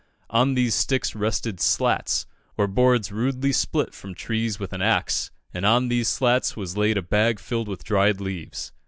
On these sticks rested "slats," or boards rudely split from trees with an axe, and on these slats was laid a bag filled with dried leaves.